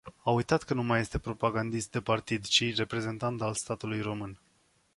A uitat că nu mai este propagandist de partid, ci reprezentant al statului român.